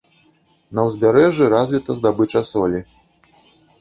На ўзбярэжжы развіта здабыча солі.